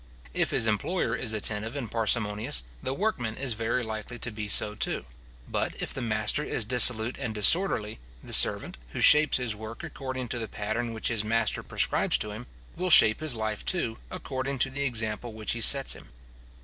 If his employer is attentive and parsimonious, the workman is very likely to be so too; but if the master is dissolute and disorderly, the servant, who shapes his work according to the pattern which his master prescribes to him, will shape his life, too, according to the example which he sets him.